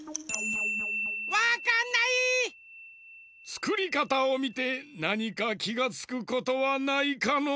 つくりかたをみてなにかきがつくことはないかの？